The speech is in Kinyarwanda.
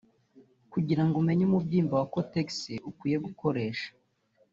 Kugira ngo umenye umubyimba wa cotex ukwiye gukoresha